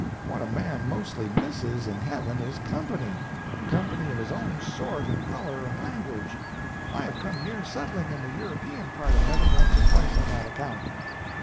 What a man mostly misses, in heaven, is company—company of his own sort and color and language. I have come near settling in the European part of heaven once or twice on that account."